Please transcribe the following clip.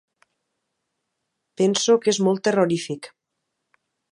Penso que és molt terrorífic.